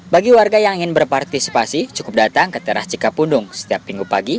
bagi warga yang ingin berpartisipasi cukup datang ke teras cikapundung setiap minggu pagi